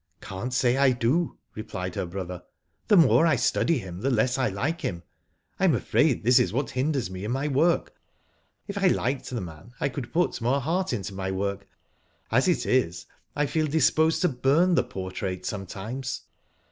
" Can't say I do," replied her brother. *' The more I study him, the less I like him. I am afraid this is what hinders me in my work. If I liked the man, I could put more heart into my work \ as it is, I feel disposed to burn the portrait, sometimes."